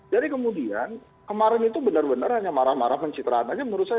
jadi kemudian kemarin itu benar benar hanya marah marah pencitraan aja menurut saya